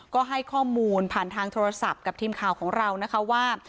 ก็ให้ข้อมูลผ่านทางโทรศัพท์กับทีมข่าวของเรานะคะว่า